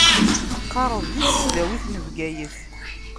Teqqaṛeḍ di tesdawit n Bgayet.